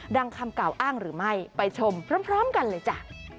คำกล่าวอ้างหรือไม่ไปชมพร้อมกันเลยจ้ะ